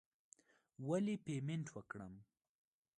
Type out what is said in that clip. ولې پیمنټ وکړم.